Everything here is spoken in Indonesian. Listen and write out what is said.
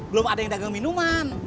belum ada yang dagang minuman